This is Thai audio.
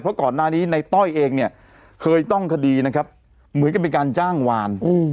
เพราะก่อนหน้านี้ในต้อยเองเนี่ยเคยต้องคดีนะครับเหมือนกับเป็นการจ้างวาน